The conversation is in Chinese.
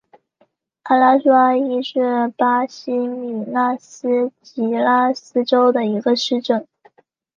阿拉苏阿伊是巴西米纳斯吉拉斯州的一个市镇。